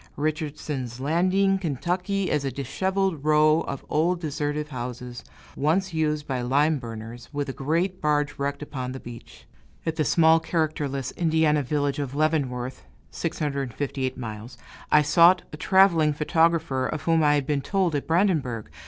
Richardson's Landing, Ky., is a disheveled row of old deserted houses, once used by lime burners, with a great barge wrecked upon the beach. At the small, characterless Indiana village of Leavenworth (658 miles), I sought a traveling photographer, of whom I had been told at Brandenburg.